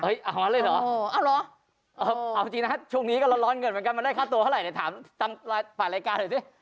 เอางั้นเลยเหรอเอาจริงนะช่วงนี้ก็ร้อนเงินเหมือนกันมันได้ค่าตัวเท่าไหร่ถามตามฝ่ายรายการหน่อยสิ